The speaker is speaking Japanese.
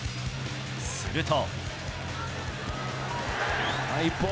すると。